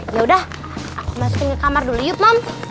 yaudah aku masukin ke kamar dulu yuk mom